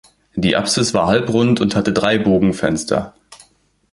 Die Apsis war halbrund und hatte drei Bogenfenster.